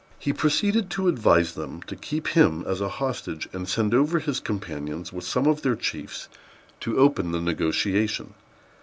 He proceeded to advise them to keep him as a hostage, and send over his companions, with some of their chiefs, to open the negotiation.